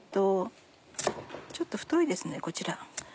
ちょっと太いですねこちら。